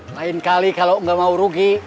lain kali kalau nggak mau rugi